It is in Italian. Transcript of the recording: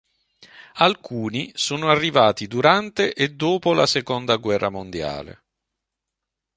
Alcuni sono arrivati durante e dopo la Seconda guerra mondiale.